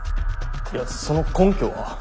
いやその根拠は？